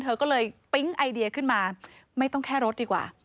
เธอก็เลยปิ๊งไอเดียขึ้นมาไม่ต้องแค่รถดีกว่า